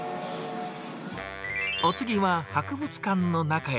お次は、博物館の中へ。